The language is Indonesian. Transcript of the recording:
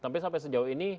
tapi sampai sejauh ini